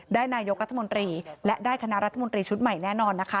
นายกรัฐมนตรีและได้คณะรัฐมนตรีชุดใหม่แน่นอนนะคะ